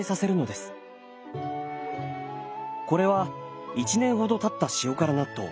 これは１年ほどたった塩辛納豆。